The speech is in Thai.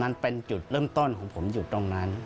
มันเป็นจุดเริ่มต้นของผมอยู่ตรงนั้น